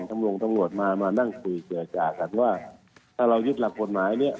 จำลงตรงรวจมามานั่งคุยเจือจากแต่ว่าถ้าเรายึดหลับปฏหมายเนี้ย